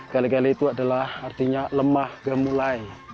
gale gale itu adalah artinya lemah gemulai